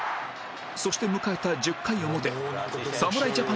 そして迎えた１０回表侍ジャパンの攻撃